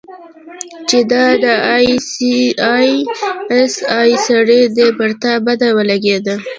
چې دا د آى اس آى سړى دى پر تا بده ولګېده.